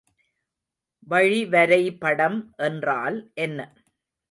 வழிவரைபடம் என்றால் என்ன?